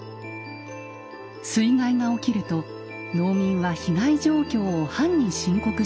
水害が起きると農民は被害状況を藩に申告していました。